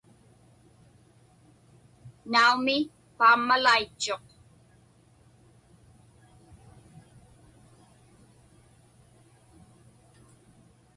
Naumi, paammalaitchuq.